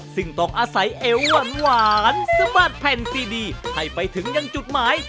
ซึ่งต้องอาศัยเอวหวานสะบัดแผ่นซีดีให้ไปถึงยังจุดหมาย